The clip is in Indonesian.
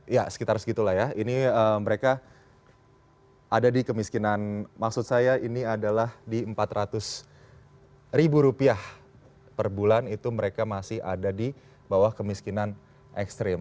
ya sekitar segitu lah ya ini mereka ada di kemiskinan maksud saya ini adalah di empat ratus ribu rupiah per bulan itu mereka masih ada di bawah kemiskinan ekstrim